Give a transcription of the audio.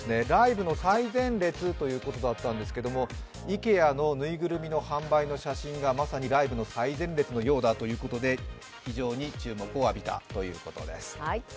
ライブの最前列ということだったんですけれども、ＩＫＥＡの縫いぐるみの販売の様子がまさにライブの最前列のようだということで非常に注目を浴びたということです。